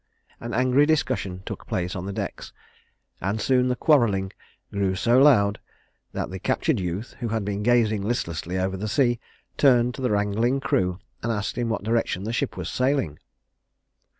An angry discussion took place on the decks, and soon the quarreling grew so loud that the captured youth, who had been gazing listlessly over the sea, turned to the wrangling crew and asked in what direction the ship was sailing.